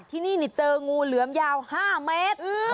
ที่นี่เจองูเหลือมยาว๕เมตร